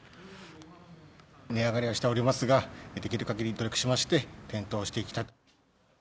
値上がりはしておりますが、できるかぎり努力しまして、点灯していきたい。